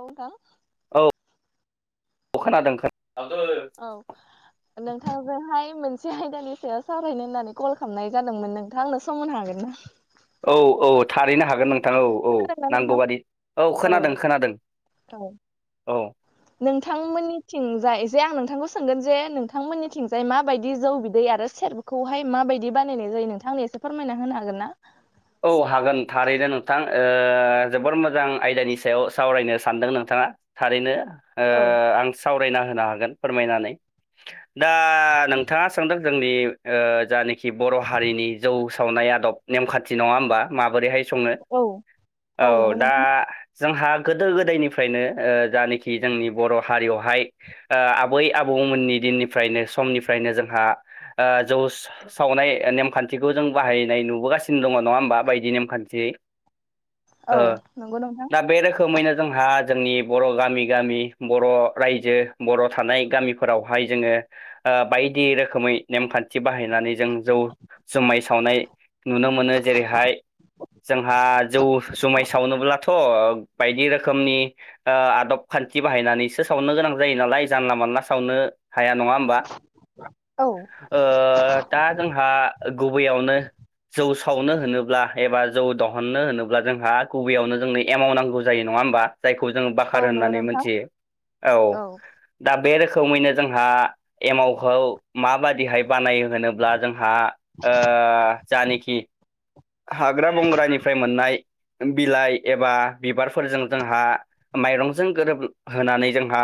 औ थां औ खोनादों खो औ नोंथांजोंहाय मोनसे आयदानि सायाव सावरायनो होननानै कल खालामनाय जादोंमोन नोंथाङा आंनो सम होननो हागोन ना? औ औ थारैनो हागोन नों थां औ औ खोनादोंना नोंथां? नांगौबादि औ खोनादों खोनादों औ। नोंथांमोननि थिंजाय जे आं नोंथांखौ सोंगोन जे नोंथांमोननि थिंजाय माबायदि जौ बिदै आरो सटखौहाय माबायदि बानायनाय जायो नोंथांनि एसे फोरमायना होनो हागोनना। औ हागोन थारैनो नोंथां जोबोर मोजां आयदानि सायाव सावरायनो सानदों नोंथाङा थारैनो ओ औ आं सावरायना होनो हागोन फोरमायनानै दा नोंथाङा सोंदों जोंनि जानिखि बर' हारिनि जौ सावनाय आदब नेमखान्थि फाथि नङा होनोमबा माबोरैहाय सङो औ औ नंगौ दा नोंथां जोंहा गोदो गोदायनिफ्रायनो जानाखि जोंनि बर' हारियावहाय आबै आबौमोननि दिननिफ्रायनो समनिफ्रायनो जोंहा जौ सा सावनाय नेमखान्थिखौ जों बाहायनाय नुबोगासिनो दङ नङा होमबा बायदि नेमान्थियै औ नंगौ नोंथां दा बे रोखोम खोमैनो जोंहा जोंनि बर' गामि गामि बर' रायजो बर' थानाय गामि फोरावहाय जोङो बायदि रोखोमै नेमखान्थि बाहायनानै जों जौ जुमाइ सावनाय नुनो मोनो जेरैहाय जोंहा जौ जुमाय सावनोब्लाथ थ' बायदि रोखोमनि आदब खान्थि बाहायनानैसो सावनो गोनां जायो नालाय जानला मानला सावनो हाया नङा होमबा औ ओ दा जोंहा गुबैयावनो जौ सावनो होनोब्ला एबा जौ दहननो होनोब्ला जोंहा गुबैयावनो जोंनो एमावनांगौ जायो नङा होमबा खौ जोङो औ बाखार नंगौ होननानै नोंथां मिथियो औ दा बे रोखोमैनो जोंहा एमावखौ माबादिहाय बानायो होनोब्ला जोंहा जानिखि हाग्रा बंग्रानिफ्राय मोननाय बिलाइ एबा बिबारफोरजों जोंहा माइरंजों गोरोबहोनानै जोंहा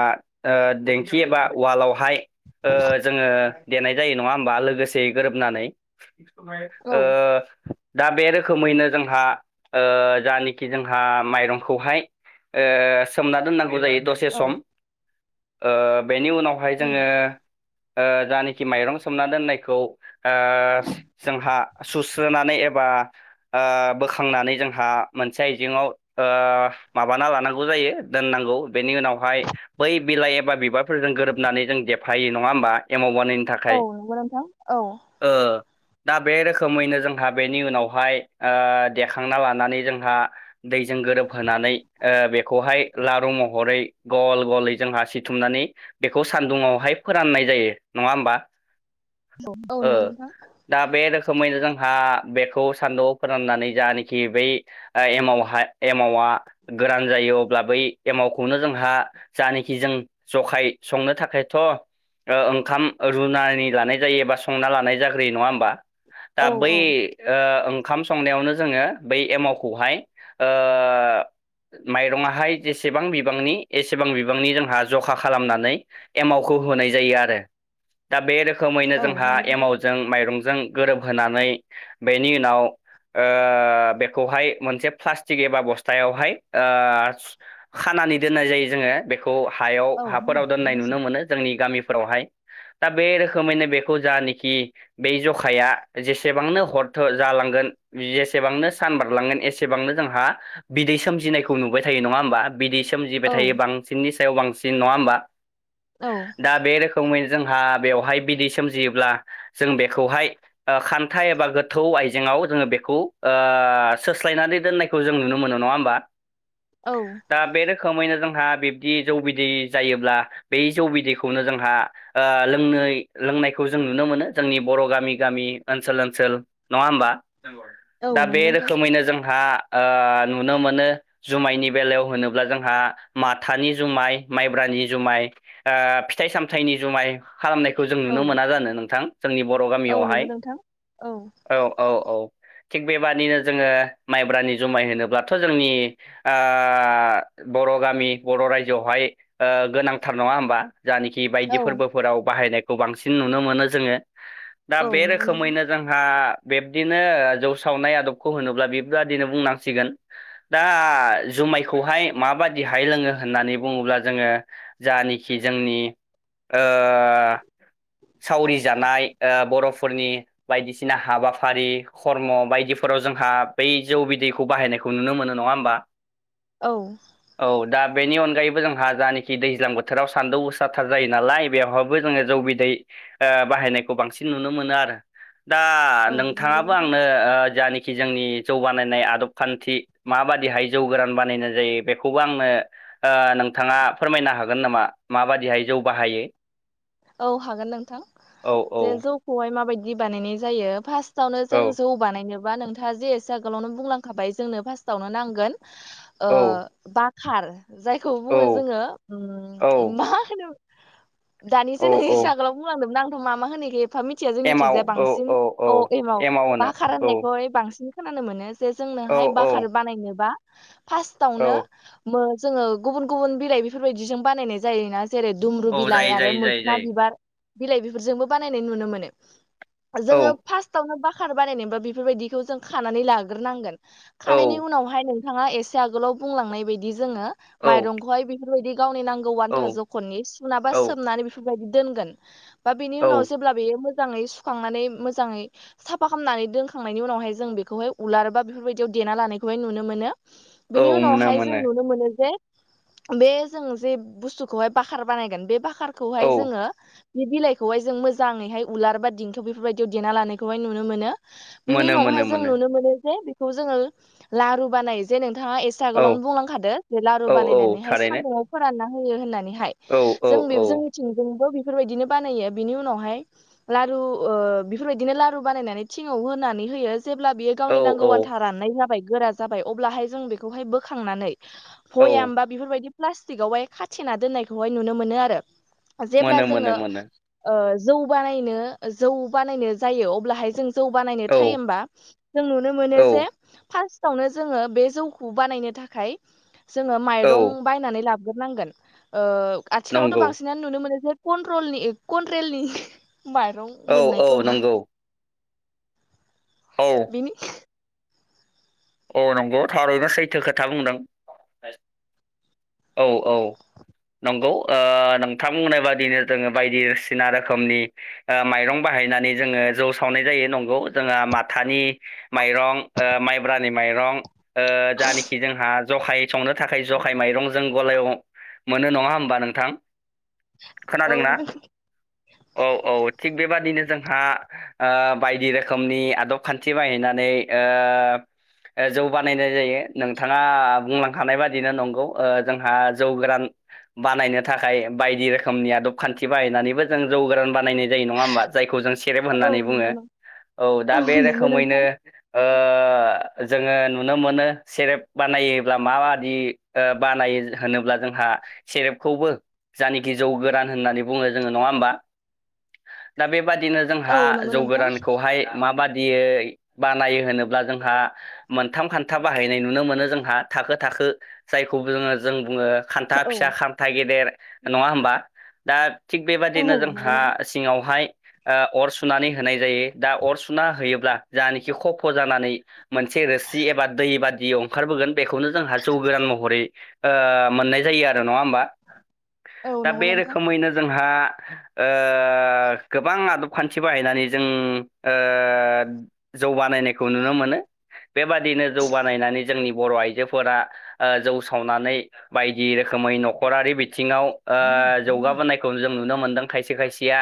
देंखि एबा उवालावहाय जोङो देनाय जायो नङा होनबा लोगोसे गोरोबनानै औ ओ दा बे रोखोमैनो जोंहा जानिखि जोंहा माइरंखौहाय सोमना दोननांगौ जायो दस से औ सम बेनि उनावहाय उम जोङो ओ जानोखि माइरं सोमना दोननायखौ ओ जोंहा सुस्रोनानै एबा ओ बोखांनानै जोंहा मोनसे आइजेङाव ओ माबाना लानांगौ जायो दोननांगौ बेनि उनावहाय बै बिलाइ एबा बिबारफोरजों गोरोबनानै जों देफायो नङा होमबा एमाव बानाय औ नंगौ नोंथां औ। ओ दा बे रोखोमैनो जोंहा बेनि उनावहाय ओ देखांना लानानै जोंहा दैजों गोरोबहोनानै बेखौहाय लारु महरै गल गलै जोंहा सिथुमनानै बेखौ सान्दुङावहाय फोराननाय जायो नङा होमबा औ औ ओ नंगौ नोंथां। दा बे रोखोमैनो जोंहा बेखौ सानदुङाव फोराननानै जानाखि बै एमावहा एमावा गोरान जायो अब्ला बै एमावखौनो जोंहा जानिखि जों जखाय संनो थाखायथ' ओंखाम रुनानै लानाय जायो एबा संना लानाय जाग्रोयो नङा होमबा दा औ बै औ ओ ओंखाम संनायावनो जोङो बै एमावखौहाय ओ माइरङाहाय जेसेबां बिबांनि एसेबां बिबांनि जोंहा जखा खालामनानै एमावखौ होनाय जायो आरो। दा बे रोखोमैनो औ जोंहा नंगौ नोंथां एमावजों माइरंजों गोरोबहोनानै बेनि उनाव ओ बेखौहाय मोनसे प्लास्टिक एबा बस्थायावहाय खानानि दोननाय जायो जोङो बेखौ हायाव औ हाफोराव दोननाय नुनो मोनो जोंनि गामिफोरावहाय। दा बे रोखोमैनो बेखौ जानाखि बै जखाया जेसेबांनो हर जालांगोन जेसेबांनो सान बारलांगोन एसेबांनो जोंहा बिदै सोमजिनायखौ नुबाय थायो नङा होमबा? बिदि सोमजिबाय औ थायो बांसिननि सायाव बांसिन नङा होमबा? औ। दा बे रोखोमैनो जोंहा बेवहाय बिदै सोमजियोब्ला जों बेखौहाय ओ खान्था एबा गो थौ आइजेंआव जोङो बेखौ ओ सोस्लायनानै दोननायखौ जों नुनो मोनो नङा होमबा? औ। दा बे रोखोमैनो जोंहा बिब्दि जौ बिदै जायोब्ला बै जौ बिदैखौनो जोंहा ओ लोंनोइ लोंनायखौ जों नुनो मोनो जोंनि बर' गामि गामि ओनसोल ओनसोल नङा होमबा? औ दा नंगौ बे नोंथां रोखोमैनो जोंहा ओ नुनो मोनो जुमायनि बेलायाव होनोब्ला जोंहा माथानि जुमाय माइब्रानि जुमाय ओ फिथाइ सामथाइनि जुमाय खालामनायखौ जों औ नुनो मोना जानो नोंथां जोंनि बर' गामि औ नंगौ नोंथां औ। औ औ औ थिग बेबादिनो जोङो माइब्रानि जुमाय होनोब्लाथ' जोंनि ओ बर' गामि बर' रायजोआवहाय ओ गोनांथार नङा होमबा जानिखि बायदि औ फोरबोफोराव बाहायनायखौ बांसिन नुनो मोनो जोङो दा औ बे नंगौ नोंथां रोखोमैनो जों हा बिब्दिनो जौ सावनाय आदबखौ होनोब्ला बे दिनो बुंनांसिगोन। दा जुमायखौहाय माबादिहाय लोङो होननानै बुङोब्ला जोङो जानिखि जोंनि ओ सावरि जानाय ओ बर'फोरनि बायदिसिना हाबाफारि खर्म' बायदिफोराव जोंहा बै जौ बिदैखौ बाहायनायखौ नुनो मोनो नङा होमबा? औ। औ दा बेनि अनगायैबो जोंहा जानाखि दैज्लां बोथोराव सान्दौ गोसाथार जायो नालाय बेवहाय जोङो जौ बिदै बाहायनायखौ बांसिन नुनो मोनो आरो। दा औ नंगौ नोंथाङाबो नोंथां आंनो ओ जानखि जोंनि जौबानायनाय आदब खान्थि माबादिहाय जौ गोरान बानायनाय जायो बेखौबो आंनो ओ नोंथाङा फोरमायनो हागोन नामा माबाददिहाय जौ बाहायो? औ हागोन नोंथां औ औ जे जौखौहाय माबायदि बानायनाय जायो फार्स्ट फार्स्टआवनो जों औ जौ बानायनोबा नोंथाङा जे एसे आगोलावनो बुंलांखाबाय जोंनो फार्स्टआवनो नांगोन ओ औ बखार जायखौ बुङो औ जोङो औ मा होनो औ दानिसो नों इसे औ आगोलाव बुंलांदोंमोन आंथ' मा होनो ओ [unintelligible] मिथिया जोंनिथिंजाया बांसिन औ एमाव बा होनो बाखार औ होन्नायखौहाय बांसिन खोनानो मोनो जे औ जोंनोहाय औ बाखार बानायनोबा औ फार्स्टावनो जोङो गुबुन गुबुन बिलाइ बेफोरबायदिजों बानायनाय जायोना जेरै दुम्रु औ बिलाइ जायो आ जायो जायो जायो बिबार बिलाइ बेफोरजोंबो बानायनाय नुनो मोनो। औ जोङो फार्स्टावनो बाखार बानायनोबा बेफोरबायदिखौ जों खानानै लाग्रोनांगोन। औ खानायनि उनावहाय नों थाङा एसे आोलाव बुंलांनाय बायदि जोङो माइरंखौहाय बेफोरबायदि गावनि नां गौ आन्था औ जखमनि सुना बा औ सोनानै बेफोरबादि दोनगोन, बा बिनि औ उनाव जों बेयो मोजाङै सुखांनानै मोजाङै साफा खालामनानै दोनखांनायनि उनावहाय जों बेखौहाय उलार बा बेफोरबायदियाव देना लानायखौहाय नुनो मोनो बिनि मोनो उनावहाय जों मोनो नुनो मोनो जे बे जों जे बुस्तुखौहाय बाखार बानायगोन बे औ बाखारखौहाय जोङो बे बिलाइखौहाय जों मोजाङैहाय उलार बा दिंखियाव बेफोरबायदियाव देना लानायखौहाय नुनो मोनो बिनि मोनो मोनो उनावहाय जों नुनो मोनो जे बेखौ जोङो लारु बानाय जे नोंथाङा एसे आगोलावनो औ बुंलांखादो जे लारु औ औ बानायनानैहाय थारैनो सान्दुुंआव फोरानना होयो होननानैहाय। औ औ औ। मिथिंजोंबो बेफोरबायदिनो बानायो बिनि उनावहाय लारु ओ बेफोरबायदिनो लारु बानायनानै थिङाव होनानै होयो जेब्ला बेयो औ गावनि नांगौ औ आनथा राननाय जाबाय गोरा जाबाय अब्ला हाय जों बेखौ हाय बोखांनानै औ भयाम बा बेफोरबायदि प्लास्टिकआवहाय खाथेना दोननायखौहाय नुनो मोनो आरो। जेब्ला मोनो मोनो जोङो मोनो ओ जौ बानायनो जौ बानायनो जायो अब्लाहाय जों जौ बानायनो औ टाइमबा जों नुनो मोनो औ जे फास्टआवनो जोङो बे जौखौ बानायनो थाखाय जोङो औ माइरं बायनानै लाग्रो नांगोन ओ आथिखालावथ' नंगौ बांसिन नुनो मोनो जे कनट्रलनि कनट्रेलनि माइरं औ औ मोननायखौ नंगौ औ बिनि औ नंगौ थारैनो सैथो खोथा बुंदों औ औ नंगौ ओ नोंथां बुंनाय बादिनो जोङो बायदिसिना रोखोमनि ओ माइरं बाहायनानै जोङो जौ सावनाय जायो नंगौ जोंहा माथानि माइरं ओ माइ माइरं ओ जानिखि जोंहा जखाय संनो थाखाय जखाय माइरं जों गलायाव मोनो नङा होमबा नोंथां औ खोनादोंना? औ औ थिग बेबादिनो जोंहा ओ बायदि रोखोमनि आदब खान्थि बाहायनानै जौ बानायनाय जायो नोंथाङा बुंलांखानाय बादिनो नंगौ ओ जोंहा जौ गोरान बानायनो थाखाय बायदि रोखोमनि आदब खान्थि बाहायनानैबो जों जौ गोरान बानायनाय जायो नङा होमबा जायखौ जों सेरेब औ होननानै बुङो नंगौ नों औ दा बे नंगौ रोखोमैनो नोंथां ओ जोङो नुनो मोनो सेरेप बानायोब्ला माबादि ओ बानायो होनोब्ला जोंहा सेरेबखौबो जानेखि जौ गोरान होननानै बुङो जोङो नङा होमबा दा बेबादिनो औ जोंहा नंगौ जौ नोंथां गोरानखौहाय माबादियै बानायो होनोब्ला जोंहा मोनथाम खान्था बाहायनाय नुनो मोनो जोंहा थाखो थाखो जायखौ जोङो जों बुङो खान्था औ फिसा खान्था गेदेर नङा होमबा दा थिग बेबादिनो औ नंगौ जोंहा नोंथां सिङावहाय ओ अर सुनानै होनाय जायो दा अर सुना होयोब्ला जानेखि खफ' जानानै मोनसे रोसि एबा दै बादियाव ओंखारबोगोन बेखौनो जोंहा जौ गोरान महरै ओ मोननाय जायो आरो नङा होमबा औ दा नंगौ बे नोंथां रोखोमैनो जोंहा ओ ओ गोबां आदब-खान्थि बाहायनानै जों ओ जौ बानायनायखौ नुनो मोनो बेबादिनो जौ बानायनानै जोंनि बर' आइजोफोरा ओ जौ सावनानै बायदि रोखोमै नखरारि बि थिङाव ओ जौगाबोनायखौ जों नुनो मोनदों खायसे खायसेया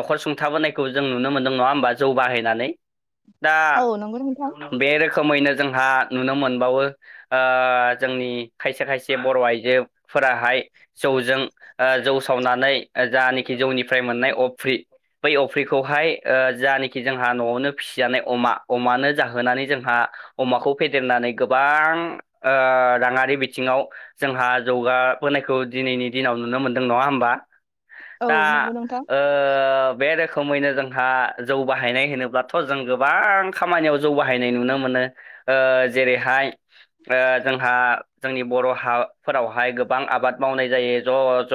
नखर सुंथाबोनायखौ जों नुनो मोनदों नंङा होमबा जौ बाहायनानै दा औ नंगौ नोंथां बे रोखोमैनो जोंहा नुनो मोनबावो ओ जोंनि खायसे खायसे बर' आइजोफोराहाय जौजों ओ जौ सावनानै जानखि जौनिफ्राय मोननाय अफ्रि बै अफ्रिखौहाय ओ जानेखि जोंहा न'आवनो फिसिजानाय अमा अमानो जाहोनानै जोंहा अमाखौ फेदेरनानै गोबां ओ राङारि बिथिङाव जोंहा जौगाबोनायखौ दिनैनि दिनाव नुनो मोनदों नङा होमबा औ दा नंगौ नोंथां ओ बे रोखोमैनो जोंहा जौ बाहायनाय होनोब्लाथ' जों गोबां खामानियाव जौ बाहायनाय नुनो मोनो ओ जेरैहाय ओ जोंहा जोंनि बर हाफोरावहाय गोबां आबाद मावनाय जायो ज ज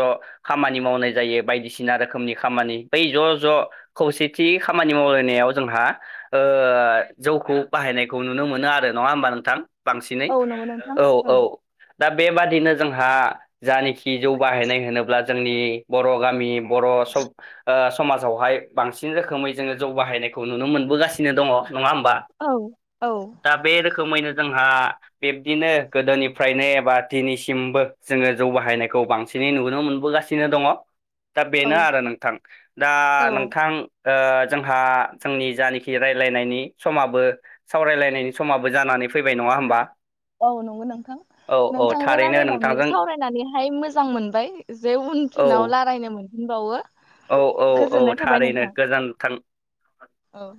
खामानि मावनाय जायो बायदिसिना रोखोमनि खामानि बै ज ज खौसेथि खामानि मावलायनायाव जोंहा ओ जौखौ बाहायनाय खौ नुनो मोनो आरो नंङा होमबा नोंथां बांसिनै औ नंगौ नोंथां औ औ दा बेबादिनो जोंहा जानखि जौ बाहायनाय होनोब्ला जोंनि बर गामि बर सब ओ स समाजावहाय बांसिन रोखोमै जोङो जौ बाहायनायखौ नुनो मोनबोगासिनो दङ नङा होमबा? औ औ दा बे रोखोमैनो जोंहा बिब्दिनो गोदोनिफ्रायनो एबा दिनैसिमबो जोङो जौ बाहायनायखौ बांसिन नै नुनो मोनबोगासिनो दङ दा औ बेनो आरो नोंथां दा औ नोंथां ओ जोंहा जोंनि जानखि राय्लायनायनि समाबो सावरायलायनायनि समाबो जानानै फैबाय नंङा होमबा? औ नंगौ नोंथां। औ औ नोंथांजों थारैनो रायायनानै नोंथांजों सावरायनानैहाय मोजां मोनबाय जे उन औ फिनाव रायलायनो मोन बावो औ औ औ थारैनो गोजोनथों औ